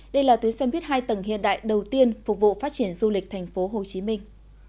đây là tuyến xe buýt hai tầng hiện đại đầu tiên phục vụ phát triển du lịch thành phố hồ chí minh